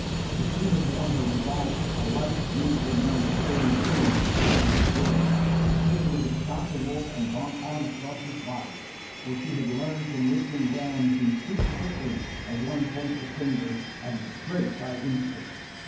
If she had worn her revolver, a light, beautifully mounted thirty two which Dan had given her, Kate would have shot the wolf and gone on across his body; for she had learned from Whistling Dan to shoot quickly as one points a finger and straight by instinct.